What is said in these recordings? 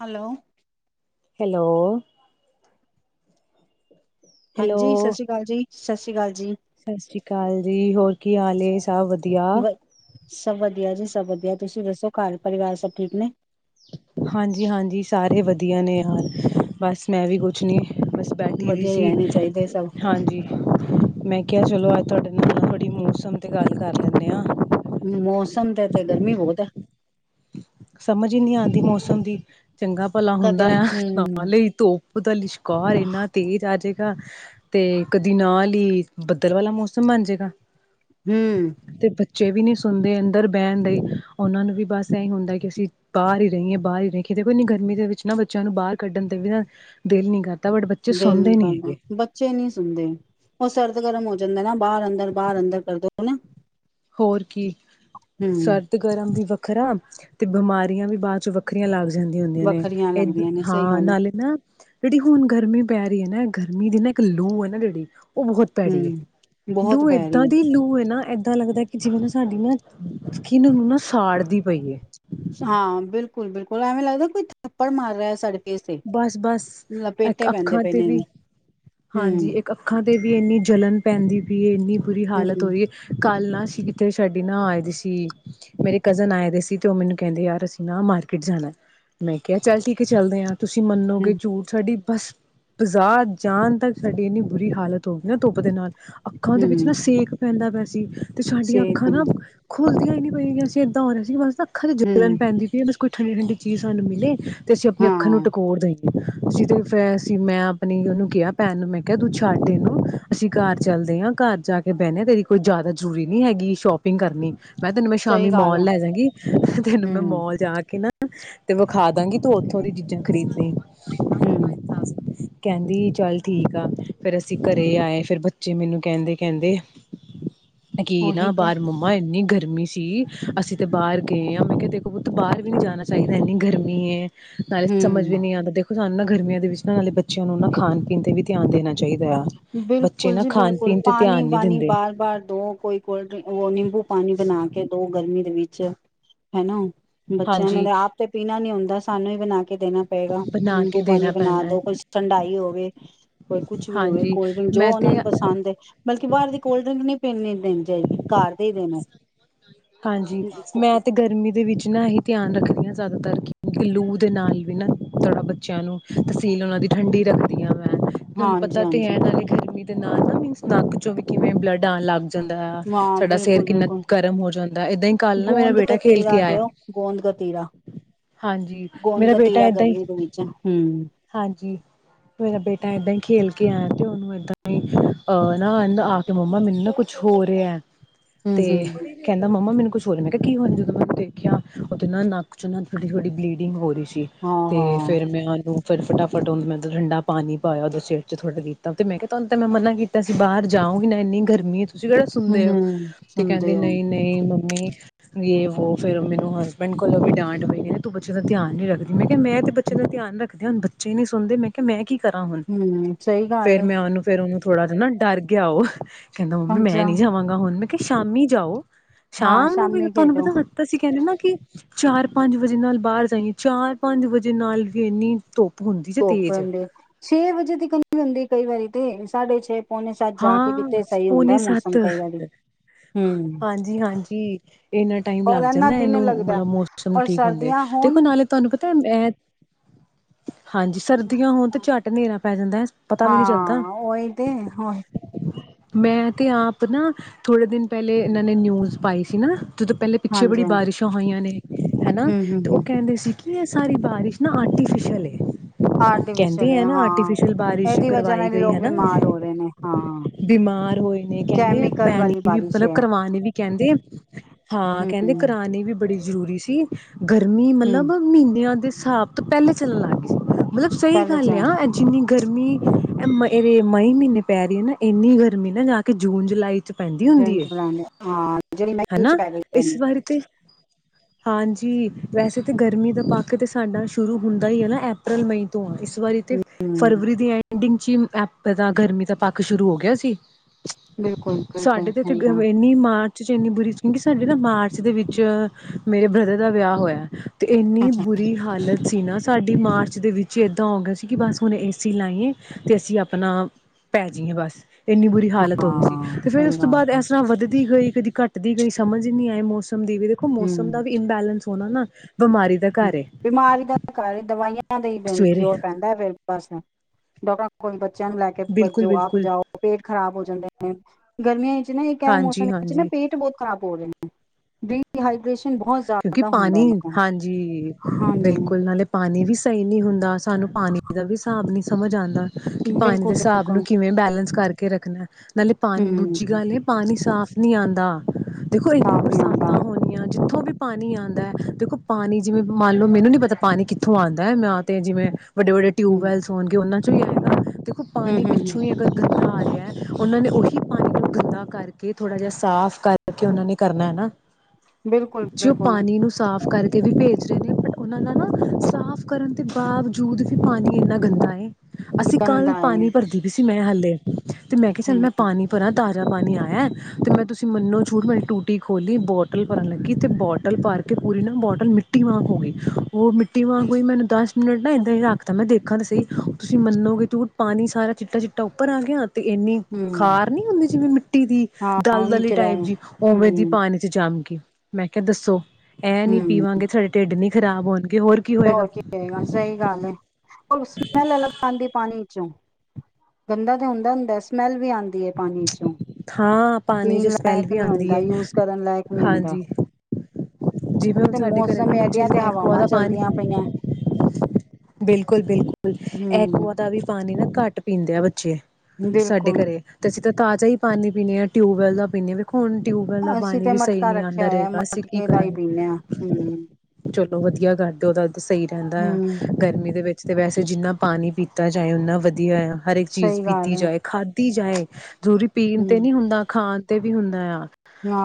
Hello hello ਹਾਂਜੀ ਸਤਿ hello ਸ੍ਰੀ ਅਕਾਲ ਜੀ ਸਤਿ ਸ਼੍ਰੀ ਅਕਾਲ ਜੀ ਸਤਿ ਸ੍ਰੀ ਅਕਾਲ ਜੀ ਹੋਰ ਕੀ ਆਲੇ ਆਓ ਵਧੀਆ ਆਓ ਵਧੀਆ ਸਬ ਵਧੀਆ ਜੀ ਸਬ ਵਦੀਆ ਹਾਂਜੀ ਹਾਂਜੀ ਸਾਰੇ ਵਧੀਆ ਨੇ ਹਾਲ ਬਸ ਮੈਂ ਵੀ ਕੁਝ ਨਹੀਂ ਬਸ ਬੈਠੀ ਵੀ ਵਧੀਆ ਹੀ ਸੀ ਰਹਿਣੇ ਚਾਹੀਦੇ ਸਭ ਹਾਂਜੀ ਮੈਂ ਖੈਰ ਚਲੋ ਅੱਜ ਤੁਹਾਡੇ ਨਾਲ ਥੋ ਮੌਸਮ 'ਤੇ ਗੱਲ ਕਰ ਲੈਂਦੇ ਹਾਂ ਮੌਸਮ ਤਾਂ ਇਥੇ ਗਰਮੀ ਬਹੁਤ ਹੈ ਸਮਝ ਹੀ ਨਹੀਂਆਉਂਦੀ ਮੌਸਮ ਦੀ ਚੰਗਾ ਭਲਾ ਹੁੰਦਾ ਕਦੇ ਆ ਹਮ ਬਲੇ ਹੀ ਧੋਪ ਦਾ ਲਿਸ਼ਕਾਰ ਇੰਨਾ ਤੇਜ਼ ਅੱਜ ਤੇ ਕਦੀ ਨਾਲ ਹੀ ਬੱਦਲ ਵਾਲਾ ਮੌਸਮ ਬਣ ਜਾਏਗਾ ਹਮ ਮ ਬੱਚੇ ਵੀ ਨਹੀਂ ਸੁਣਦੇ ਅੰਦਰ ਬਹਿਣ ਲਈ ਉਹਨਾਂ ਨੂੰ ਵੀ ਬਸ ਇਹੀ ਹੁੰਦਾ ਅਸੀਂ ਬਾਹਰ ਹੀ ਰਹੀਏ ਬਾਹਰ ਹੀ ਦਖੀਏ ਕਿੇਤੇ ਇਨੀ ਗਰਮੀ ਦੇ ਵਿੱਚ ਨਾ ਬੱਚਿਆਂ ਨੂੰ ਬਾਹਰ ਕੱਢਣ ਦੇ ਵੀ ਨਾ ਦਿਲ ਨਹੀਂ ਕਰਦਾ ਬਟ ਬੱਚੇ ਦਿਲ ਨੀ ਸੁਣਦੇ ਮੰਨ ਹੈਗੇ ਰਿਹਾ ਬੱਚੇ ਨਹੀਂ ਸੁਣਦੇ ਉਹ ਸਰਦੀ ਗਰਮ ਹੋ ਜਾਂਦਾ ਨਾ ਬਾਹਰ ਅੰਦਰ ਬਾਹਰ ਅੰਦਰ ਕਰ ਦੇ ਕੇ ਨਾ ਹੋਰ ਕੀ ਹਮ ਸਰਦ ਗਰਮ ਵੀ ਵੱਖਰਾ ਤੇ ਬਿਮਾਰੀਆਂ ਵੀ ਬਾਅਦ ਚ ਵੱਖਰੀਆਂ ਲਾਗ ਜਾਂਦੀਆਂ ਹੁੰਦੀਆਂ ਨੇ ਵੱਖਰੀਆਂ ਇ ਲੱਗਦੀਆਂ ਨੇ ਸਹੀ ਹਾਂ ਗੱਲ ਨਾਲੇ ਨਾ ਜਿਹੜੀ ਹੁਣ ਗਰਮੀ ਪੈ ਰਹੀ ਹੈ ਨਾ ਇਹ ਗਰਮੀ ਦੀ ਨਾ ਇੱਕ ਲੋੂ ਹੈ ਨਾ ਜਿਹੜੀ ਉਹ ਬਹੁਤ ਭੈੜੀ ਹੈ ਹਮ ਬਹੁਤ ਲੂ ਪੈ ਏਦਾਂ ਰਹੀ ਦੀ ਲੂ ਹੈ ਨਾ ਐ ਪਤਾ ਕਿ ਜਿਵੇਂ ਨਾ ਸਾਡੀ ਨਾ ਸਕਿਨ ਨੂੰ ਨਾ ਸਾੜਦੀ ਪਈ ਹੈ ਹਾਂ ਬਿਲਕੁਲ ਬਿਲਕੁਲ ਐਵੇਂ ਲੱਗਦਾ ਕੋਈ ਥੱਪੜ ਮਾਰ ਰਿਹਾ ਸਾਡੇ ਫੇਸ ਤੇ ਬਸ ਬਸ ਲਪੇਟੇ ਇੱਕ ਪੈਂਦੇ ਅੱਖਾਂ ਪਏ ਤੇ ਨੇ ਵੀ ਹਮ ਹਾਂਜੀ ਇੱਕ ਅੱਖਾਂ 'ਤੇ ਵੀ ਇੰਨੀ ਜਲਣ ਪੈਂਦੀ ਵੀ ਇੰਨੀ ਬੁਰੀ ਹਾਲਤ ਹਮ ਹੋਈ ਹੈ ਕੱਲ੍ਹ ਨਾ ਅਸੀਂ ਕਿਥੇ ਸਾਡੀ ਨਾ ਆਏ ਦੀ ਸੀ ਮੇਰੇ ਕਜ਼ਨ ਆਏ ਵੇ ਸੀ ਤੇ ਉਹ ਮੈਨੂੰ ਕਹਿੰਦੇ ਯਾਰ ਅਸੀਂ ਨਾ ਮਾਰਕਿਟ ਜਾਣਾ ਮੈਂ ਕਿਹਾ ਚੱਲ ਠੀਕ ਹੈ ਚੱਲਦੇ ਹ ਤੁਸੀਂ ਹਮ ਮੰਨੋਗੇ ਝੂੰ ਸਾਡੀ ਬਸ ਬਾਜ਼ਾਰ ਜਾਣ ਤੱਕ ਸਾਡੀ ਇੰਨੀ ਬੁਰੀ ਹਾਲਤ ਹੋ ਗਈ ਨਾ ਧੁੱਪ ਦੇ ਨਾਲ ਅੱਖਾਂ ਦੇ ਵਿੱਚ ਨਾ ਹੂੰ, ਸੇਕ ਪੈਂਦਾ ਵੈ ਜੀ ਤੇ ਸਾਡੀਆਂ ਸਿਹਤ ਅੱਖਾਂ ਨਾ ਬਣੀ ਖੂ ਖੁੱਲਦੀਆਂ ਨਹੀਂਈ ਪਿਆਸੀ ਇਦਾ ਹੋ ਸੀ ਪਤ ਮਸ [unintelligible] ਅੱਖਾ ਜਲਣ ਹੂੰ, ਪੈਂਦੀ ਪੀ ਕੋ ਠੰਡੀ ਚੀਜ਼ ਸਾਨੂੰ ਮਿਲੇ ਅਤੇ ਅਸੀਂ ਆਪਣੇ ਅੱਖਾ ਨੂੰ ਹਾਂ ਟਕੋਰ ਦਈ ਅਸੀਂ ਤੇ ਫਿਰ ਅਸੀਂ ਮੈਂ ਆਪਣੀ ਉਹਨੂੰ ਕਿਹਾ ਭੈਣ ਨੂੰ ਮੈਂ ਮੈ ਆਪਣੀ ਭੈਣ ਨੂੰ ਕਿਹਾ ਤੂੰ ਛੱਡ ਦੇ ਇਸ ਨੂੰ ਅਸੀਂ ਘਰ ਚਲਦੇ ਹਾਂ ਘਰ ਜਾ ਕੇ ਬਹਿੰਣੇ ਆਾਂ ਤੇਰੀ ਕੋਈ ਜ਼ਿਆਦਾ ਜ਼ਰੂਰੀ ਨੀ ਹੈਗੀ ਸ਼ੋਪਿੰਗ ਕਰਨੀ ਮੈਂ ਕਿਹਾ ਤੈਨੂੰ ਮੈਂ ਸਹੀ ਸ਼ਾਮੀ ਗੱਲ ਮਾਲ ਆ ਲੈ ਜਾਗੀ ਤੈਨੂੰ ਮੈਂ ਹੂੰ, ਮਲ ਜਾ ਕੇ ਨਾ ਤੇ ਵਿਖਾ ਦਾਂਗੀ ਤੂੰ ਉੱਥੋਂ ਦੀ ਜ ਖਰੀਦ ਲਈ ਹਮ ਕਹਿੰਦੀ ਚੱਲ ਠੀਕ ਆ ਫੇਰ ਅਸੀਂ ਘਰੇ ਆਏ ਫੇਿਰ ਬੱਚੇ ਮੈਨੂੰ ਕਹਿੰਦੇ ਕਹਿੰਦੇ ਕੀ ਉਹੀ ਨਾ ਤੇ ਬਾਹਾਰ ਮੰਮਾ ਇੰਨੀ ਗਰ ਗਰਮੀ ਸੀ ਅਸੀਂ ਤਾਂ ਬਾਹਰ ਗਏ ਹਾਂ ਮੈਂ ਕਿਹਾ ਦੇਖੋ ਬਤ ਬਾਹਰ ਵੀ ਨਹੀਂੀ ਜਾਣਾ ਚਾਹੀਦਾ ਇੰਨੀ ਗਰਮੀ ਹੈ ਸਮਝ ਵੀ ਹੂੰ ਨੀ ਆਉਂਦਾ ਦੇਖੋ ਗਰਮੀਆਂ ਦੇ ਵਿੱਚਨਾਂ ਵਾਲੇ ਬੱਚਿਆਂ ਨੂੰ ਉਹ ਨਾ ਖਾਣ ਪੀਣ ' ਵੀ ਧਿਆਨ ਦੇਣਾ ਚਾਹੀਦਾ ਆ ਬੱਚੇ ਬਿਲਕੁਲ ਨਾ ਜੀ ਖਾਣ ਬਿਲਕੁਲ ਪੀਣ ਤੇ ਪਾਣੀ ਧਿਆਨ ਨਹੀਂ ਵਣੀ ਦਿੰਦੇ ਬਾਰ ਬਾਰ ਦੋ ਕੋਈ ਕੋਲਡ ਡ ਨਿੰਬੂ ਪਾਣੀ ਬਣਾ ਕੇ ਦੋ ਗਰਮੀ ਦੇ ਵਿੱਚ ਹਨਾ ਬੱਚਿਆਂ ਨੇ ਹਾਂਜੀ ਦੇ ਆਪ ਤੇ ਪੀਣਾ ਨੀ ਹੁੰਦਾ ਦਾ ਸਾਨੂੰ ਹੀ ਬਣਾ ਕੇ ਕੇ ਦੇਣਾ ਪਏਗਾ ਬਣਾ ਕੇ ਨਿੰਬੂ ਪਾਣੀ ਦੇਣਾ ਬਣਾ ਪੈਣਾ ਹੈ ਦੋ ਕੋਈ ਡਾਈ ਹੋਵੇ ਕੋਈ ਕੁਛ ਕੁਛ ਵੀ ਹੋਵੇ ਹਾਂਜੀ ਕੋਲਡ ਡਰਿੰਕ ਜੋ ਮੈਂ ਉਹਨਾਂ ਤੇ ਨੂੰ ਪਸੰਦ ਹੈ ਮਤਲਬ ਬਾਹਰ ਦੀ ਕੋਲਡ ਡਰਿੰਕ ਨਹੀ ਪੀਣ ਦੇਣੀ ਜਾਏਗੀ ਘਰ ਦੇ ਹੀ ਦੇਣੇ ਹਾਂਜੀ ਮੈਂ ਤੇ ਗਰਮੀ ਦੇ ਵਿੱਚ ਨਾ ਹੀ ਧਿਆਨ ਰੱਖਦੀ ਹਾਂ ਜ਼ਿਆਦਾਤਰ ਕਿਉਂਕਿ ਲੂ ਦੇ ਨਾਲ ਵੀ ਨਾ ਥੋੜ੍ਹਾ ਬੱਚਿਆਂ ਨੂੰ ਤਹਿਸੀਲ ਉਹਨਾਂ ਦੀ ਠੰਢਡੀ ਰੱਖਦੀਆਂਾ ਤੁਹਾਨੂੰ ਹਾਂਜੀ ਪਤਾ ਤੇ ਹਾਂਜੀ ਹੈਨਾਂ ਦੀ ਗਰਮੀ ਦੇ ਨਾਲ ਨਾ ਮੀਨਸ ਨੱਕ ਚੋਂ ਵੀ ਕਿਵੇਂ ਬਲੱਡ ਆਉਣ ਲੱਗ ਜਾਂਦਾ ਹਾਂ ਸਾਡਾ ਸਰ ਬਿਲਕੁਲ ਕਿੰਨਾ ਬਿਲਕੁਲ ਗਰਮ ਹੋ ਜਾਂਦਾ ਏਦਾਂ ਹੀ ਕੱਲ ਨਾ ਮੇਰਾ ਗੋਂਦ ਬੇਟਾ ਖੇਲ ਕਤੀਰਾ ਕੇ ਆਇਆ ਦਿਓ ਗੋਂਦ ਕਤੀਰਾ ਹਾਂਜੀ ਗੋਂਦ ਮੇਰਾ ਬੇਟਾ ਕਤੀਰਾ ਏਦਾਂ ਹੀ ਗਰਮੀ ਦੇ ਵਿੱਚ ਹੂੰ ਹਾਂਜੀ ਮੇਰਾ ਬੇਟਾ ਏਦਾਂ ਇਦਾਂ ਹੀ ਖੇਲ ਕੇ ਆਇਆ ਤੇ ਉਹਨੂੰ ਏਦਾਂ ਹੀ ਅਹ ਨਾ ਆ ਕੇ ਮੰਮਾ ਮੈਨੂੰ ਨਾ ਕੁਛ ਹੋ ਰਿਹਾ ਹਮ ਹਮ ਹਮ ਤਾਂ ਮਮਾ ਮੈਨੂੰ ਕੁਝ ਹੋਰ ਮੈਂ ਕਿਹਾ ਕੀ ਹੋ ਜਦੋਂ ਮੈਨੂੰ ਦੇਖਿਆ ਉਹਦੇ ਨਾ ਨੱਕ ਚ ਨਾ ਥੋੜੀ ਥੋੜੀ ਬਲੀਡਿੰਗ ਹੋ ਰਹੀ ਜੀ ਹਾਂ ਤੇ ਹਾਂ ਫਿਰ ਮੈਂ ਉਹਨੂੰ ਪਰ ਫਟਾਫਟ ਮੈਂ ਠੰਡਾ ਪਾਣੀ ਪਾਇਆ ਦੇ ਸਿਰ ਚ ਤੁਹਾਡੇ ਰੀਤਾਂ ਤੇ ਮੈਂ ਕਿਹਾ ਤੁਹਾਨੂੰ ਤੇ ਮੈਂ ਮਨਾ ਕੀਤਾ ਸੀ ਬਾਹਰ ਜਾ ਹੀ ਨਾ ਇਨੀ ਗਰਮੀ ਜਿਹੜਾ ਸੁਣਦੇ ਹੋ ਹੂੰ ਤੇ ਕਹਿੰਦੇ ਸੁਣਦੇ ਹੋ ਨਹੀਂ ਨਹੀਂ ਮਮੀ ਯੇ ਵੋ ਫਿਰ ਮੈਨੂੰ ਹਸਬੈਂਡ ਕੋ ਵੀ ਡਾਂਟ ਹੋਈ ਹੈ ਤੋ ਬੱਚੇ ਦਾ ਧਿਆਨ ਨਹੀਂ ਰੱਖਦੀ ਮੈਂ ਤੇ ਬੱਚੇ ਦਾ ਧਿਆਨ ਰੱਖਿਆ ਧਿਆਨ ਬੱਚੇ ਸੁਣਦੇ ਮੈਂ ਕਿਹਾ ਮੈਂ ਕੀ ਕਰਾਂ ਹੁਣ ਹੂੰ ਸਹੀ ਗੱਲ ਫਿਰ ਹੈ ਮੈਂ ਉਹਨੂੰ ਫਿਰ ਉਹਨੂੰ ਥੋੜਾ ਜ ਨਾ ਡਰ ਗਿਆ ਉਹ ਕਹਿੰਦਾ ਮਮੀ ਮੈਂ ਅੱਛਾ ਨਹੀਂ ਜਾਵਾਂਗਾ ਹੁਣ ਮੈਂ ਕਿ ਸ਼ਾਮੀ ਜਾਓ ਹਾਂ ਸ਼ਾਮ ਨੂੰ ਵੀ ਸ਼ਾਮੀ ਤੁਹਾਨੂੰ ਖੇਡੋ ਪਤਾ ਸੀ ਕਹਿੰਦੇ ਨਾ ਕਿ ਚਾਰ ਪੰਜ ਵਜੇ ਨਾਲ ਬਾਹਰ ਜਾਈ ਚਾਰ ਪੰਜ ਵਜੇ ਨਾਲ ਵੀ ਇਨੀ ਧੁਪ ਧੁਪ ਪੈਂਦੇ ਛੇ ਵਜੇ ਦੀ ਕਮੀ ਹੁੰਦੀ ਏ ਕਈ ਵਾਰੀ ਤੇ ਸਾਢੇ ਛੇ ਪੌਣੇ ਸੱਤ ਜਾ ਕੇ ਹਾਂ, ਕਿਤੇ ਸਹੀ ਪੋਨੇ ਹੁੰਦਾ ਸੱਤ ਮੌਸਮ ਕਈ ਵਾਰੀ ਹੂੰ ਹਾਂਜੀ- ਹਾਂਜੀ ਇੰਨਾ ਟਾਈਮ ਔਰ ਲੱਗ ਇਨਾ ਜਾਂਦਾ ਦਿਨ ਇਹਨੂੰ ਲੱਗਦਾ ਮਤਲਬ ਮੋਸਮ ਨੂੰ ਔਰ ਠੀਕ ਹੁੰਦੇ ਸਰਦੀਆਂ ਹੋਣ ਦੇਖੋ ਨਾਲੇ ਤੁਹਾਨੂੰ ਪਤਾ ਤ ਮੈਂ ਹਾਂਜੀ, ਸਰਦੀਆਂ ਹੋਣ ਤੇ ਝੱਟ ਹਨੇਰਾ ਪੈ ਜਾਂਦਾ ਪਤਾ ਵੀ ਨਹੀਂ ਚੱਲਦਾ। ਹਾਂ ਉਹੀ ਤੇ ਮੈਂ ਤੇ ਆਪ ਨਾ ਥੋੜੇ ਦਿਨ ਪਹਿਲੇ ਇਹਨਾਂ ਨੇ ਨਿਊਜ਼ ਪਾਈ ਸੀ ਨਾ ਜਦੋਂ ਪਹਿਲੇ ਪਿੱਛੇ ਹਾਂਜੀ ਬੜੀ ਹੂੰ ਬਾਰਿਸ਼ਾਂ ਹੋਈਆਂ ਨੇ ਹਨਾ ਹੂੰ ਤੇ ਹੂੰ ਓਹ ਕਹਿੰਦੇ ਸੀ ਕੀ ਇਹ ਸਾਰੀ ਬਾਰਿਸ਼ ਨਾ ਆਰਟੀਫਿਸ਼ਲ ਏ ਆਰਟੀਵਿਸਲ ਕਹਿੰਦੇ ਏ ਆ ਨਾ ਹਾਂ ਆਰਟੀਫਿਸ਼ਅਲ ਬਾਰਿਸ਼ ਇਹਦੀ ਵਜਹਾ ਕਰਵਾਈ ਨਾਲ ਗਈ ਲੋਕ ਹਨਾ ਬਿਮਾਰ ਹੋ ਰਹੇ ਨੇ ਹਾਂ। ਬਿਮਾਰ ਹੋਏ ਨੇ ਕਹਿੰਦੇ ਪੈਣੀ ਵੀ ਮਤਲਬ ਕਰਵਾਣੀ ਵੀ ਕਹਿੰਦੇ ਆ ਹਾਂ ਕਹਿੰਦੇ ਕਰਾਨੀ ਵੀ ਬੜੀ ਜ਼ ਜਰੂਰੀ ਸੀ ਗਰਮੀ ਮਤਲਬ ਮਹੀਨਿਆਂ ਦੇ ਹਿਸਾਬ ਤੋਂ ਪਹਿਲੇ ਚੱਲਣ ਲਾਗੇ ਮਤਲਬ ਸਹੀ ਪਹਿਲੇ ਚ ਗੱਲ ਆ ਜਿੰਨੀ ਗਰ ਮੀਂਹ ਅ ਮਈ ਮਹੀਨੇ ਪੈ ਰਹੇ ਹ ਨਾ ਇੰਨੀ ਗਰਮੀ ਨਾ ਜਾ ਕੇ ਜੂਨ- ਜੁਲਾਈ ਚ ਪੈਂਦੀ ਹੁੰਦੀ ਹੈ ਹਾਂ ਜਿਹੜੀ ਮਈ ਚ ਹਨਾ ਪਈ ਇਸ ਪੈਣੀ [inaudible] ਵਾਰੀ ਤੇ ਹਾਂਜੀ, ਵੈਸੇ ਤਾਂ ਗਰਮੀ ਦਾ ਪੱਖ ਤਾਂ ਸਾਡਾ ਸ਼ੁਰੂ ਹੁੰਦਾ ਹੀ ਹੈ ਨਾ ਅਪ੍ਰੈਲ ਮਈ ਤੋਂ ਆ ਇਸ ਇਸ ਵਾਰੀ ਤੇ ਹਮ ਫਰਵਰੀ ਦੀ ਐਂਡਿੰਗ ਚੀ ਐਥੇ ਤਾਂ ਗਰਮੀ ਦਾ ਪੱਖ ਸ਼ੁਰੂ ਹੋ ਗਿਆ ਸੀ। ਬਿਲਕੁਲ ਬਿਲਕੁਲ ਸਾਡੇ ਤੇ ਤੇ ਸਹੀ ਗੱਲ ਇੰਨੀ ਮਾਂ ਤੁਸੀੰ ਇੰਨੀ ਬੁਰੀ ਸੁਣੀ ਕਿ ਸਾਡੇ ਨਾ ਮਾਰਚ ਦੇ ਵਿੱਚ ਮੇਰੇ ਬ੍ਰਦਰ ਦਾ ਵਿਆਹ ਹੋਇਆ। ਇੰਨੀ ਅੱਛਾ ਬੁਰੀ ਹਾਲਤ ਤੇ ਸੀ ਨਾ ਸਾਡੀ ਮਾਰਚ ਦੇ ਵਿੱਚ ਏਦਾਂ ਹੋ ਗਿਆ ਸੀ ਕਿ ਬਸ ਹੁਣ ਏਸੀ ਲਾਈਏ ਤੇ ਅਸੀਂ ਆਪਣਾ ਪੈਜੀਏ ਬਸ ਇੰਨੀ ਬੁਰੀ ਹਾਲਤ ਹੋ ਗਈ ਸੀ ਹਾਂ ਤੇ ਫਿਰ ਉਸ ਸਹੀ ਤੋਂ ਗੱਲ ਬਾਅਦ ਇਸ ਤਰ੍ਹਾਂ ਵੱਧਦੀ ਹੋਈ ਕਦੀ ਘੱਟਦੀ ਕਈ ਸਮਝ ਨਹੀਂੀ ਆਏ ਮੌਸਮ ਦੀ ਵੀ ਦੇਖੋ ਮੌਸਮ ਦਾ ਹਮ ਵੀ ਇੰਬੈਲੈਂਸ ਸੁਣਾ ਨਾ ਬਿਮਾਰੀ ਦਾ ਘਰ ਏ ਬਿਮਾਰੀ ਦਾ ਕਾਰਨ ਦਵਾਈਆਂ ਦਾ ਬ ਸਵੇਰੇ ਜ਼ੋਰ ਪੈਂਦਾ ਬਸ ਡਾਕਟਰਾਂ ਕੋਈ ਬੱਚਿਆਂ ਨੂੰ ਲੈ ਕੇ ਬਿਲਕੁਲ ਭੱਜੋ ਆਪ ਬਿਲਕੁਲ ਜਾਓ ਪੇਟ ਖ਼ਰਾਬ ਹੋ ਜਾਂਦੇ ਨੇ ਗਰਮੀਆਂ ਨਾ ਇਹ ਕਹਿ ਮੌਸਮ ਹਾਂਜੀ ਵਿੱਚ ਨਾ ਹਾਂਜੀ ਪੇਟ ਬਹੁਤ ਖਰਾਬ ਹੋ ਰਹੇ ਨੇ ਹ੍ਰ ਬਹੁਤ ਜ਼ਿਆਦਾ ਹੁੰਦਾ ਹੈ ਮ ਜੀ ਬਿਲਕੁਲ ਨਾਲੇ ਪਾਣੀ ਵੀ ਸਹੀ ਨਹੀਂ ਹੁੰਦਾ ਸਾਨੂੰ ਪਾਣੀ ਦਾ ਵੀ ਹਿਸਾਬ ਨੀ ਸਮਝ ਆਉਂਦਾ ਕਿ ਪਾਣੀ ਦੇ ਬਿਲਕੁਲ ਹਿਸਾਬ ਨੂੰ ਬਿਲਕੁਲ ਕਿਵੇਂ ਬੈਲੇਂਸ ਕਰਕੇ ਕੇ ਰੱਖਣਾ ਨਾਲੇ ਪਾਣੀ ਹੂੰ ਦੂਜੀ ਗਲ ਇਹ ਪਾਣੀ ਸਾਫ਼ ਨਹੀਂ ਆਉਂਦਾ ਦੇਖੋ ਇੰਨੀਆਂ ਸਾਫ਼ ਨੀ ਆਉਂਦਾ ਬਰਸਾਤਾਂ ਹੋਣੀਆਂ ਜਿੱਥੋਂ ਤੁਹਾ ਪਾਣੀ ਆਉਂਦਾ ਹੈ ਦੇਖੋ ਪਾਣੀ ਜਿਵੇਂ ਮੰਨ ਲਓ ਮੈਨੂੰ ਨੀ ਪਤਾ ਪਾਣੀ ਕਿੱਥੋਂ ਆਉਂਦਾ ਹੈ ਮੈਂ ਤੇ ਜਿਵੇਂ ਵੱਡੇ ਵੱਡ ਹੂੰ ਟਿਊਵੈਲ ਹੋਣਗੇ ਉਹਨਾਂ ਅੱਛਾ ਦੇਖੋ ਹੂੰ ਪਾਣੀ ਹੂੰ ਹੂੰ ਪਿੱਛੋਂ ਹੀ ਅਗਰ ਗੰਦਾ ਰਿਿਆ ਉਹਨਾਂ ਨੇ ਉਹੀ ਪਾਣੀ ਨੂੰ ਗੰਦਾ ਕਰਕੇ ਥੋੜ੍ਹਾ ਜਿਹਾ ਸਾਫ ਕਰਕੇ ਉਹਨਾਂ ਨੇ ਕਰਨਾ ਹੈਾ ਬਿਲਕੁਲ ਜ ਉਹ ਬਿਲਕੁਲ ਪਾਣੀ ਨੂੰ ਸਾਫ਼ ਕਰਕੇ ' ਵੀ ਭੇਜ ਰਹੇ ਨੇ ਬਟ ਉਹਨਾਂ ਦਾ ਨਾ ਸਾਫ ਕਰਨ ਦੇ ਬਾਵਜੂਦ ਵੀ ਪਾਣੀ ਇੰਨਾ ਗੰਦਾ ਏ ਅਸੀਂ ਕਲ ਗੰਦਾ ਹੈ ਪਾਣੀ ਭਰਦੀ ਵੀ ਸੀ ਮੈਂ ਹਾਲੇ ਅਤੇ ਮੈਂ ਕਿਹਾ ਚੱਲ ਹੂੰ ਮੈਂ ਪਾਣੀ ਭਰਾਂ ਤਾਜ਼ਾ ਪਾਣੀ ਆਇਆ ਤੇ ਮੈਂ ਤੁਸੀਂ ਮੰਨੋ ਝੂਠ ਮੇਰੀ ਟੂਟੀ ਖੋਲੀ ਬੋਟਲ ਭਰਨ ਲੱਗੀ ਕਿਥ ਬੋਟਲ ਭਾਰ ਕੇ ਪੂਰੀ ਨਾ ਬੋਟਲ ਮਿੱਟੀ ਵਾਂਗ ਹੋ ਗਈ ਉਹ ਮਿੱਟੀ ਵਾਂਗ ਹੋਈ ਮੈਨੂੰ ਦਸ ਮਿੰਟ ਨਾ ਇੱਦਾਂ ਹੀ ਰੱਖਦਾ ਮੈਂ ਦੇਖਾਂ ਤਾਂ ਸਹੀ ਤੁਸੀਂ ਮੰਨੋਗੇ ਤੂੰ ਪਾਣੀ ਸਾਰਾ ਚਿੱਟਾ ਚਿੱਟਾ ਉੱਪਰ ਆ ਗਿਆ ਤੇ ਇੰਨੀ ਹੂੰ ਖਾਰ ਨਹੀਂ ਹੁੰਦੀ ਜਿਵੇਂ ਮਿੱਟੀ ਦੀ ਹਾਂ ਦਲ ਦਲੀ ਨੀਚੇ ਬਹਿ ਟਾਈਪ ਜੀ ਗਏ ਉਵੇਂ ਦੀ ਹੂੰ ਪਾਣੀ 'ਚ ਜੰਮ ਗਈ ਮੈਂ ਕਿਹਾ ਦੱਸੋ ਐ ਨੀ ਹੂੰ ਪੀਵਾਂਗੇ ਤੇ ਫਿਰ ਢਿੱਡ ਨੀ ਖਰਾਬ ਹੋਣ ਤੇ ਹੋਰ ਕੀ ਹੋਏਗਾ, ਸਹੀ ਗੱਲ ਸਮੈਲ ਅਲੱਗ ਆਦੀ ਪਾਣੀ ਚੋਂ ਗੰਦਾ ਤੇ ਹੁੰਦਾ-ਹੁੰਦਾ, ਸਮੈਲ ਵੀ ਆਦੀ ਹੈ ਪਾਣੀ ਚ ਥਾਂ ਪਾਣੀ ਚ ਸਮੈਲ ਵੀ ਨਹੀਂ ਆਦੀ ਹੁੰਦਾ ਹੈ, ਯੂਜ ਕਰਨ ਲਾਇਕ ਨਹੀਂ ਹੁੰਦਾ ਹਾਂਜੀ ਜਿਵੇਂ ਹੁਣ ਤੇ ਸਾਡੇ ਘਰੇ ਮੌਸਮ ਨਾਲ ਬੱਚੇ ਐਡੀਆਂ ਤੇ ਐਕੋ ਹਵਾਵਾਂ ਪਾਣੀ ਚੱਲਦੀਆਂ ਪਈਆਂ ਬਿਲਕੁਲ-ਬਿਲਕੁਲ, ਐਕੋਆ ਹੂੰ ਦਾ ਵੀ ਪਾਣੀ ਨਾ ਘੱਟ ਪੀਂਦੇ ਆ ਬੱਚੇ ਪੱਛੇ ਸਾਡੇ ਬਿਲਕੁਲ ਘਰੇ ਤੇ ਅਸੀਂ, ਤੇ ਤਾਜ਼ਾ ਹੀ ਪਾਣੀ ਪੀਣੇ ਆ ਟਿਊਬਵੈਲ ਦਾ ਪੀਣੇ ਹਾਂ। ਹੁਣ ਟਿਊਬਵੈਲ ਦਾ ਅਸੀਂ ਪਾਣੀ ਤੇ ਵੀ ਸਹੀ ਮਟਕਾ ਨੀ ਰੱਖਿਆ ਆਦਾ ਹੋਇਆ ਰਹੇਗਾ, ਅਸੀਂ ਕੀ ਮਟਕੇ ਦਾ ਹੀ ਕਰਾਂਗੇ ਪੀਂਦੇ ਹਾਂ ਹਮ ਚਲੋ ਵਧੀਆ ਕਰਦੇ ਉਹਦਾ ਸਹੀ ਰਹਿੰਦਾ ਆ ਹਮ ਗਰਮੀ ਦੇ ਵਿੱਚ ਤਾਂ ਵੈਸੇ ਜਿੰਨਾ ਪਾਣੀ ਪੀਤਾ ਜਾਏ ਉਨਾ ਵਧੀਆ ਆ। ਹਰ ਇੱਕ ਚੀਜ਼ ਸਹੀ ਗੱਲ ਪੀਤੀ ਹੈ ਜਾਏ ਖਾਧੀ ਜਾਏ ਜਰੂਰੀ, ਪੀਣ ਤੇ ਹਮ ਨਹੀਂ ਹੁੰਦਾ ਖਾਣ ਵੀ ਹੁੰਦਾ ਆਂ।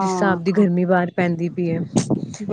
ਜਿਸ ਤਰਾ ਆਪ ਦੀ ਗਰਮੀ ਬਾਹਾਰ ਪੈਂਦੀ ਪਈ ਐ।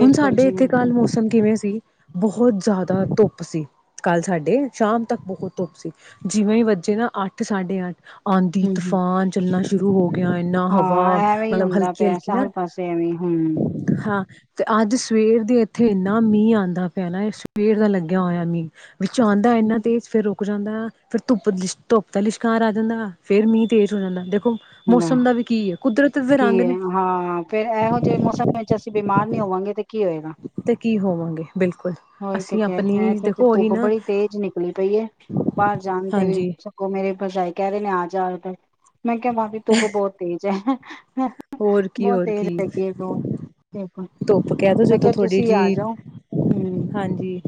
ਹੁਣ ਸਾਡੇ ਜੀ ਇੱਥੇ ਕੱਲ੍ਹ ਬਿਲਕੁਲ ਮੌਸਮ ਕਿਵੇਂ ਸੀ। ਬਹੁਤ ਜ਼ਿਆਦਾ ਧੁੱਪ ਸੀ, ਕੱਲ੍ਹ ਸਾਡੇ ਸ਼ਾਮ ਤੱਕ ਬਹੁਤ ਧੁੱਪ ਸੀ, ਜਿਵੇਂ ਹੀ ਵੱਜੇ ਨਾ ਅੱਠ ਸਾਢੇ ਅੱਠ ਆਂਦੀ ਹਮ ਹਮ ਤੂਫਾਨ ਚੱਲਣਾ ਸ਼ੁਰੂ ਹੋ ਗਿਆ, ਇੰਨਾ ਹਵਾ ਹਾਂ ਐਵੇਂ ਹੀ ਮਤਲਬ ਹੁੰਦਾ ਪਿਆ ਹਲਕੀ-ਹਲਕੀ, ਨਾ ਹਰ ਪਾਸੇ ਐਵੇਂ ਹਮ ਹਾਂ। ਤੇ ਅੱਜ ਸਵੇਰ ਦੇ ਇੱਥੇ ਇੰਨਾ ਮੀਂਹ ਆਦਾ ਪਿਆ ਨਾ ਸਵੇਰ ਦਾ ਲੱਗਿਆ ਹੋਇਆ ਮੀਂਹ। ਵਿੱਚ ਆਦਾ ਇੰਨਾ ਤੇਜ਼ ਫੇਰ ਰੂਕ ਜਾਂਦਾ ਫ਼ਿਰ ਧੁੱਪ ਲਿਸ਼ਕ ਧੁੱਪ ਦਾ ਲਿਸ਼ਕਾਰ ਆ ਜਾਂਨਾ, ਫੇਰ ਮੀਂਹ ਤੇਜ਼ ਹੋ ਜਾਂਦਾ। ਦੇਖੋ ਹੂੰ, ਮੌਸਮ ਦਾ ਵੀ ਕੀ ਹੈ ਕੁਦਰਤ ਦੇ ਕੀ ਰੰਗ ਹੈ ਨੇ ਹਾਂ ਫੇਰ ਇਹੋ ਜਿਹੇ ਮੌਸਮ ਵਿੱਚ ਅਸੀਂ ਬਿਮਾਰ ਨੀ ਹੋਵਾਂਗੇ ਤੇ ਕੀ ਹੋਏਗਾ। ਤੇ ਕੀ ਹੋਵਾਂਗੇ। ਬਿਲਕੁਲ ਔਹੀ ਤੇ ਅਸੀਂ ਕਹਿ ਰਹੀ ਆ, ਆਪਣੀ ਇਥੇ ਤੇ ਦੇਖੋ ਉਹੀ ਧੁੱਪ ਨਾ ਬੜੀ ਤੇਜ਼ ਨਿਕਲੀ ਪਈ ਏ, ਬਾਹਰ ਜਾਣ ਤੇ ਵੀ ਹਾਂਜੀ ਸਗੋਂ ਮੇਰੇ ਪਰਜਾਈ ਕਹਿ ਰਹੇ ਆ ਜਾਦਾ। ਮੈਂ ਕਿਹਾ ਵਾਰ ਧੁੱਪ ਬਹੁਤ ਤੇਜ ਹੈ। ਹੋਰ ਕੀ ਬਹੁਤ ਹੋਰ ਤੇਜ਼ ਕੀ ਹੈਗੀ ਆ ਬੋਤ ਬੇਕੂਲ ਧੁੱਪ ਕਹਿ ਦੋ ਮੈਂ ਜਦੋਂ ਕਿਹਾ ਥੋੜ੍ਹੀ ਤੁਸੀਂ ਆ ਜਿਹੀ ਜਾਓ। ਹਾਂਜੀ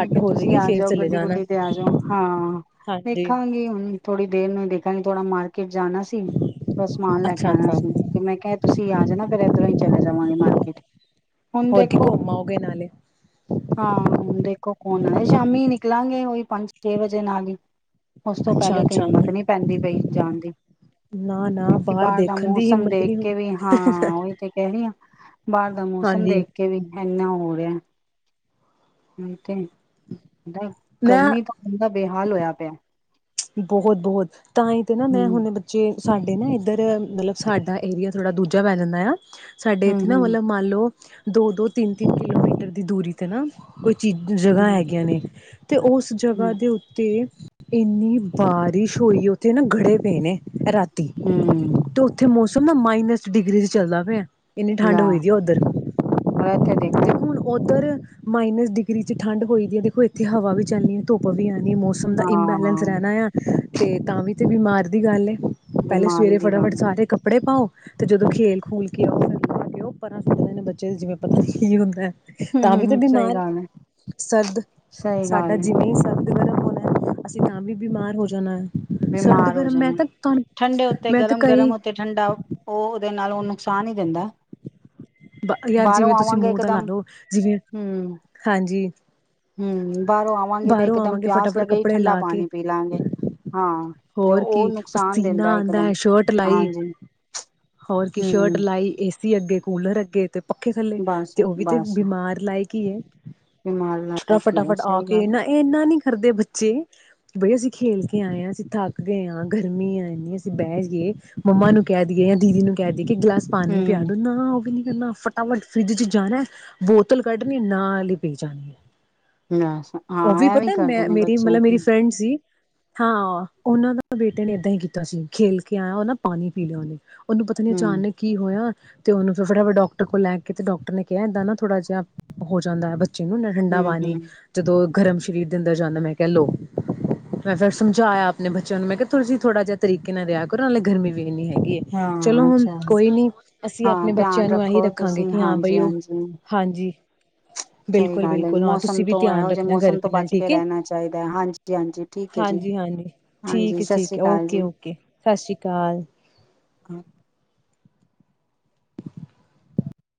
ਮੈਂ ਕਿਹਾ ਤੁਸੀਂ ਹੋਵੇਗੀ ਆ ਫੇਰ ਜਾਓ ਚਲੇ ਗੱਡੀ ਜਾਣਾ -ਗੁੱਡੀ ਤੇ ਆ ਜਾਓ। ਹਾਂ ਹਾਂਜੀ ਦੇੇਖਾਂਗੀ ਹੁਣ ਥੋੜੀ ਦੇਰ ਨੂੰ ਈ ਦੇਂਖਾਗੀ ਥੋੜਾ ਮਾਰ ਕੀਟ ਜਾਣਾ ਸੀ, ਥੋੜਾ ਸਮਾਨ ਲੈ ਕੇ ਅੱਛਾ ਆਉਣਾ ਅੱਛਾ ਸੀ ਤੇ ਮੈਂ ਕਿਹਾ ਤੁਸੀਂ ਆ ਜਾਣਾ ਫਿਰ ਏਧਰੋਂ ਹੀ ਚਲੇ ਜਾਵਾਗੀ ਮਾਰਕੇਟ। ਹੋਰ ਕੇ ਘੋਮ ਆਔਗੇ ਨਾਲੇ। ਹਾਂ ਹੁਣ ਦੇਖੋ ਕੌਣ ਆ ਸ਼ਾਮੀ ਨਿਕਲਾਂਗੇ ਉਈ ਪੰਜ -ਛੇ ਵਜੇ ਨਾਲ ਹੀ। ਉਸ ਤੋਂ ਅੱਛਾ ਪਹਿਲੇ ਤੇ ਅੱਛਾ ਹਿੰਮਤ ਨੀ ਪੈਂਦੀ ਪਈ ਜਾਣ ਦੀ। ਨਾ ਨਾ ਕਯੋਕਿ ਬਾਹਰ ਦਾ ਦੇਖਣ ਦੀ ਮੌਸਮ ਹਿੰਮਤ ਦੇਖ ਨਹੀਂ ਹੁੰਦੀ ਕੇ ਵੀ, ਹਾਂ ਔਹੀ ਤੇ ਕਹਿ ਰਹੀ ਆ ਬਾਹਰ ਦਾ ਮੌਸਮ ਹਾਂਜੀ ਦੇਖ ਕੇ ਵੀ ਏੰਨਾ ਹੋ ਰੇਯ [unintelligible] ਦਾ ਮੈਂ ਗਰਮੀ ਤਾਂ ਬੰਦਾ ਬੇਹਾਲ ਹੋਯੈ ਪਿਐ। ਬਹੋਤ ਬਹੋਤ। ਤਾਂ ਹੀ ਤੇ ਨਾ ਮੈਂ ਹੂੰ, ਹੁਣੇ ਬੱਚੇ ਸਾਡੇ ਨਾ ਇੱਧਰ ਮਤਲਬ ਸਾਡਾ ਏਰੀਆ ਥੋੜ੍ਹਾ ਦੂਜਾ ਪੈ ਜਾਂਦੈ ਨਾ। ਸਾਡੇ ਹੂੰ, ਏਥੇ ਨਾ ਹੂੰ, ਮਤਲਬ ਮੰਨ ਲੋ ਦੋ ਦੋ ਤਿੰਨ ਤਿੰਨ ਕਿਲੋਮੀਟਰ ਦੀ ਦੂਰੀ ਤੇ ਨਾ ਕੋਈ ਚੀ ਜ ਜਗ੍ਹਾ ਹੂੰ, ਹੈਗੀਆਂ ਨੇ, ਤੇ ਓਸ ਜਗ੍ਹਾ ਹੂੰ, ਦੇ ਉੱਤੇ ਏਨੀ ਬਾਰਿਸ਼ ਹੋਈ ਉੱਥੇ ਨਾ ਗੜੇ ਪਏ ਨੇ ਐ ਰਾ ਤੀ ਹੂੰ ਤੇ ਉੱਥੇ ਮੌਸ ਸ ਮਾਈਨਸ ਡਿਗਰੀ ਚ ਚੱਲਦਾ ਪਿਐ। ਇੰਨੀ ਠੰਢ ਹੋਈ ਦੀ ਐ ਔਧਰ। ਹਰ ਐਥੇ ਦੇਖੋ। ਪਰ ਮਾਈਨਸ ਡਿਗਰੀ ਚ ਠੰਢ ਹੋਈ ਦੀ ਐ, ਦੇਖੋ ਇੱਥੇ ਹਵਾ ਵੀ ਚੱਲਣੀ ਹੈ ਧੁੱਪ ਵੀ ਐ। ਨੀ ਮੌਸਮ ਦਾ ਇੰਬੈਲੈਂਸ ਹਾਂ ਰਹਿਣੈ ਆ। ਤੇ ਤਾਂ ਵੀ ਤੇ ਬਿਮਾਰ ਦੀ ਗੱਲ ਪਹਿਲੇ ਬਿਮਾਰੀ ਸਵੇਰੇ ਦੀ ਗੱਲ ਫਟਾਫਟ ਹੂੰ, ਸਾਰੇ ਕਪੜੇ ਪਾਓ ਤੇ ਜਦੋਂ ਖੇਲ ਖੂਲ ਕੇ ਆਓ ਫਿਰਓ ਪਰਾਂ ਸਕਦੇ ਨੇ ਬੱਚੇ ਜਿਵੇਂ ਪਤਾ ਕੀ ਹੁੰਦਾ ਤਾਂ ਹੂੰ, ਵੀ ਤੇ ਹੂੰ ਸਹੀ ਬਿਮਾਰ ਗੱਲ ਹੈ, ਸਰਦ ਸਹੀ ਸਾਡਾ ਗੱਲ ਹੈ ਜਿਵੇਂ ਸਰਦ ਗਰਮ ਹੋਣਾ ਅਸੀਂ ਤਾਂ ਵੀ ਬਿਮਾਰ ਹੋ ਜਾਣਾ ਹੈ ਸਰਦ ਬਿਮਾਰ ਹੋ ਗਰਮ ਮੈਂ ਜਾਣੇ ਤਾਂ ਤੁਹਾਨੂੰ ਠੰਡੇ ਉੱਤੇ ਮੈਂ ਤਾਂ ਗਰਮ ਕਈ ਗਰਮ ਉੱਤੇ ਠੰਡਾ ਉਹ ਦੇ ਨਾਲ ਉਹ ਨੁਕਸਾਨ ਹੀ ਦਿੰਦਾ ਯਾਰ ਬਾਹਰੋਂ ਜਿਵੇਂ ਤੁਸੀਂ ਆਵਾਂਗੇ ਮੂੰਹ ਦਾ ਲਾ ਇਕਦਮ ਲਓ ਜਿਵੇਂ ਹਾਂਜੀ ਹਮ ਬਾਹਰੋਂ ਆਵਾਂਗੇ ਫਟਾਫਟ ਕੱਪੜੇ ਲਾ ਕੇ ਪਾਣੀ ਪੀ ਲਾਂਗੇ ਹਾਂ ਤੇ ਹੋਰ ਉਹ ਕੀ ਨੁਕਸਾਨ ਪਸੀਨਾ ਦਿੰਦਾ ਆਉਂਦਾ ਹੈ ਇਕਦਮ ਸ਼ਰਟ ਲਾਈ ਹਾਂਜੀ ਹੋਰ ਕੀ ਸ਼ਰਟ ਹੂੰ ਲਾਈ ਏਸੀ ਅੱਗੇ ਸਕੂਲਰ ਅੱਗੇ ਤੇ ਪੱਖੇ ਥੱਲੇ ਬਸ, ਤੇ ਉਹ ਵੀ ਤੇ ਬਿਮਾਰ ਲਾਇਕ ਕੀਏ ਤੇ ਮਾਲ ਲੈ ਕੇ ਸਹੀ ਤੇ ਗੱਲ ਨਾ ਇਹ ਇਨਾ ਨੀ ਕਰਦੇ ਬੱਚੇ ਬਈ ਅਸੀਂ ਖੇਲ ਕੇ ਆਏ ਹਾਂ ਅਸੀਂ ਥੱਕ ਗਏ ਹਾਂ ਗਰਮੀ ਆ ਇੰਨੀ ਅਸੀਂ ਬਹਿ ਗਏ ਮੰਮਾ ਨੂੰ ਕਹਿ ਦਏ ਜਾਂ ਦੀਦੀ ਨੂੰ ਕਹਿ ਦ ਇੱਕ ਗਿਲਾਸ ਪਾਣੀ ਪਿਆ ਹੂੰ ਦੋ ਨਾ ਉਹ ਵੀ ਨੀ ਨਾ ਫਟਾਫਟ ਫਰਿੱਜ ਚ ਜਾਣਾ ਬੋਤਲ ਕੱਢਣੀ ਹੈ ਨਾਲ ਹੀ ਪੀ ਜਾਣੀ ਹੈ ਹਮ ਉਹ ਵੀ ਪਤਾ ਮੈਂ ਮੇਰੀ ਮਤਲਬ ਮੇਰੀ ਫਰੈਂਡ ਸੀ ਹਾਂ ਉਹਨਾਂ ਦਾ ਬੇਟੇ ਨੇ ਏਦਾਂ ਹੀ ਕੀਤਾ ਸੀ ਖੇਲ ਕੇ ਆਇਆ ਉਹ ਨਾ ਪਾਣੀ ਪੀ ਲਿਆ ਉਹਨੇ ਉਹਨੂੰ ਪਤਾ ਨੀ ਹੂੰ ਅਚਾਨਕ ਕੀ ਹੋਇਆ ਤੇ ਉਹਨੂੰ ਫਿਰ ਫਟਾਫਟ ਡਾਕਟਰ ਕੋਲ ਲੈ ਕੇ ਤੇ ਡਾਕਟਰ ਨੇ ਕਿਹਾ ਇਏਦਾਂ ਨਾ ਥੋੜਾ ਜਿਹਾ ਹੋ ਜਾਂਦਾ ੱਚਿਹਨੂੰ ਨਾ ਠੰਡਾ ਹੂੰ ਹੂੰ ਪਾਣੀ ਗਰਮ ਸਰੀਰ ਦੇ ਅੰਦਰ ਜਾਂਦਾ ਮੈਂ ਕਹਿ ਲਓ ਮੈਂ ਫੇਿਰ ਸਮਝਾਇਆ ਆਪਣੇ ਬੱਚਿਆਂ ਨੂੰ ਮੈਂ ਕਿਹਾ ੜਾ ਜ ਥੋੜਾ ਜਿਹਾ ਤਰੀਕੇ ਨਾਲ ਰਿਹਾ ਕਰੋ ਨਾਲੇ ਗਰਮੀ ਵੀ ਨਹੀਂ ਹੈਗੀ ਹੈ ਚਲੋ ਹਾਂ ਹੁਣ ਅੱਛਾ ਕੋਈ ਨੀ ਅਸੀਂ ਹਾਂ ਆਪਣੇ ਬੱਚਿਆਂ ਧਿਆਨ ਨੂੰ ਇਹੀ ਰੱਖੋ ਰੱਖਾਂਗੇ ਤੁਸੀਂ ਕਿ ਹਾਂ ਬਾਈ ਹਾਂਜੀ ਉਹ ਹਾਂਜੀ ਹਾਂਜੀ ਸਹੀ ਬਿਲਕੁਲ ਗੱਲ ਹੈ ਬਿਲਕੁਲ ਹਾਂ ਮੌਸਮ ਤੁਸੀਂ ਵੀ ਤੋਂ ਧਿਆਨ ਇਹੋ ਜਿਹੇ ਰੱਖਣਾ ਮੌਸਮ ਤੋਂ ਗਰਮੀ ਨਾਲ ਬਚ ਕੇ ਠੀਕ ਹੈ ਰਹਿਣਾ ਚਾਹੀਦਾ ਹੈ ਹਾਂਜੀ ਹਾਂਜੀ ਠੀਕ ਹੈ ਜੀ ਹਾਂਜੀ ਹਾਂਜੀ ਹਾਂਜੀ ਠੀਕ ਸਤਿ ਠੀਕ ਸ੍ਰੀ ਅਕਾਲ ਓਕੇ ਜੀ ਓਕੇ ਸਤਿ ਸ੍ਰੀ ਅਕਾਲ